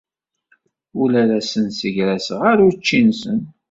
Ur la asen-ssegraseɣ ara učči-nsen.